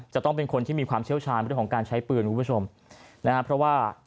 จะต้องเป็นคนที่มีความเชี่ยวชาญเรื่องของการใช้ปืนคุณผู้ชมนะฮะเพราะว่า